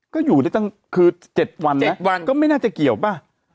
ก็จะอยู่ได้จังคือเจ็ดวันนะเค้าก็ไม่น่าจะเกี่ยวป้ะ